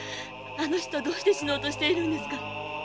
あの人どうして死のうとしているんですか？